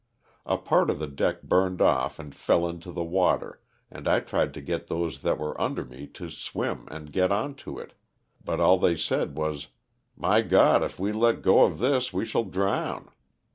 A part of the deck burned off and fell into the water, and I tried to get those that were under me to swim and get on to it, but all they said was: ''My God, if we let go of this we shall drown."